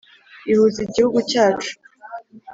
ihuza Igihugu cyacu.